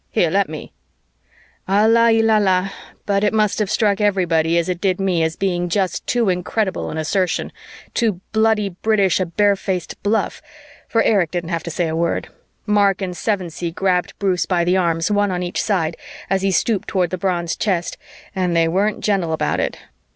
Here, let me " Allah il allah, but it must have struck everybody as it did me as being just too incredible an assertion, too bloody British a bare faced bluff, for Erich didn't have to say a word; Mark and Sevensee grabbed Bruce by the arms, one on each side, as he stooped toward the bronze chest, and they weren't gentle about it.